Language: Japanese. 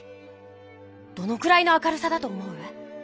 どのくらいの明るさだと思う？